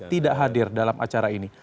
tidak hadir dalam acara ini